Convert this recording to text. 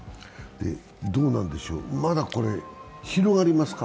どうなんでしょう、まだこれ広がりますか？